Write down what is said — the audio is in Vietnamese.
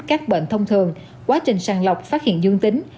các bệnh thông thường quá trình sàng lọc phát hiện dương tính